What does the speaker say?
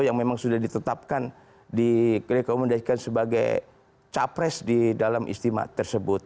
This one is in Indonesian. yang memang sudah ditetapkan direkomendasikan sebagai capres di dalam istimewa tersebut